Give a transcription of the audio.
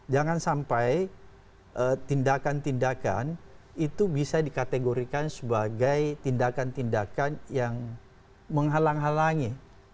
jangan sampai tindakan tindakan itu bisa dikategorikan sebagai tindakan tindakan yang menghalang halangi